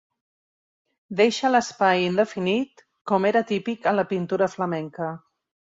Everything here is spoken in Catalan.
Deixa l'espai indefinit com era típic a la pintura flamenca.